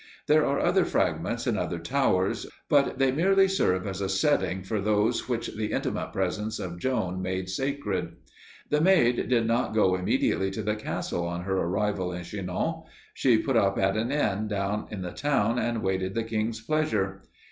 There are other fragments and other towers, but they merely serve as a setting for those which the intimate presence of Joan made sacred. The Maid did not go immediately to the castle on her arrival in Chinon. She put up at an inn down in the town and waited the king's pleasure.